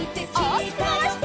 おおきくまわして。